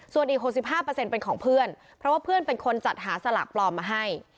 ส่วนอีกหกสิบห้าเปอร์เซ็นต์เป็นของเพื่อนเพราะว่าเพื่อนเป็นคนจัดหาสลากปลอมมาให้